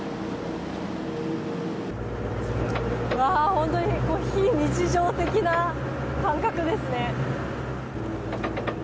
本当に非日常的な感覚ですね。